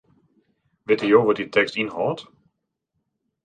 Witte jo wat dy tekst ynhâldt?